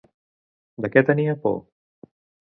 De què tenia por?